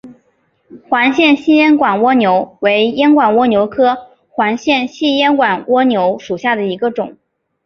环线细烟管蜗牛为烟管蜗牛科环线细烟管蜗牛属下的一个种。